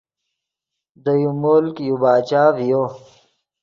دے یو ملک یو باچہ ڤیو